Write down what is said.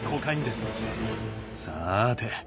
さて。